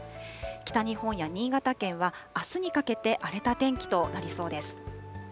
北日本や新潟県は、あすにかけて荒れた天気となりそうです。